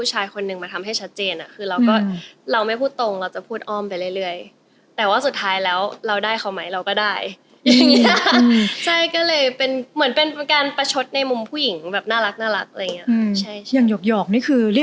ในในเรื่องว่าตรงอารมณ์แบบโทรมาสักทีโทรมาสักที